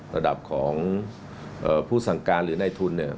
ระดับของผู้สังการหรือในทุน